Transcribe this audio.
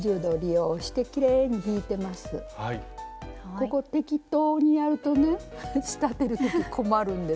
ここ適当にやるとね仕立てる時困るんですよ。